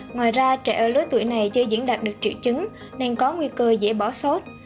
ngoài ra trẻ ở lứa tuổi này chưa diễn đạt được triệu chứng nên có nguy cơ dễ bỏ sốt